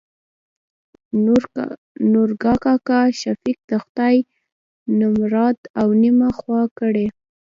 نورګا کاکا : شفيق د خداى نمراد او نيمه خوا کړي.